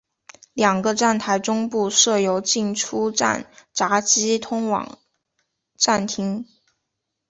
两个站台中部设有进出站闸机通往站厅。